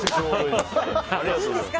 ありがとうございます。